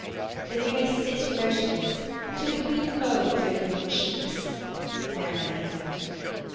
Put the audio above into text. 'Then you may sit motionless till the green mould is over your cheeks,' Mary answered.